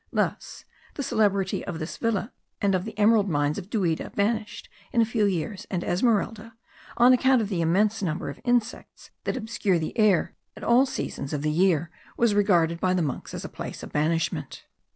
Thus the celebrity of this villa, and of the emerald mines of Duida, vanished in a few years; and Esmeralda, on account of the immense number of insects that obscure the air at all seasons of the year, was regarded by the monks as a place of banishment.